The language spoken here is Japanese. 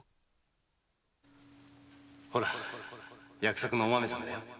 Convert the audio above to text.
〔ほら約束のお豆さんだよ〕